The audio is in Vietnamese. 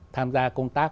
tham gia công tác